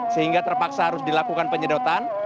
sehingga terpaksa harus dilakukan penyedotan